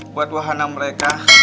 buat wahana mereka